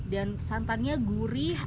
dan santannya gurih